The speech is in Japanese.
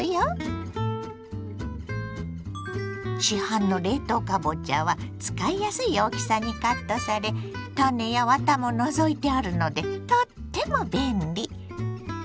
市販の冷凍かぼちゃは使いやすい大きさにカットされ種やワタも除いてあるのでとっても便利。